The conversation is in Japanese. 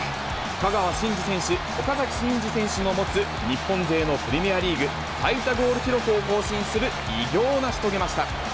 香川真司選手、岡崎慎司選手の持つ日本勢のプレミアリーグ最多ゴール記録を更新する偉業を成し遂げました。